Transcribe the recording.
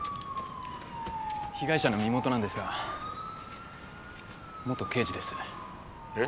被害者の身元なんですが元刑事です。え？